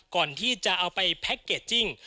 ก่อนที่จะเอาไปแพ็คเกจจิ้ง